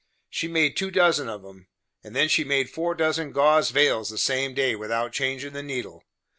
She made two dozen of 'em, and then she made four dozen gauze veils the same day, without changin' the needle.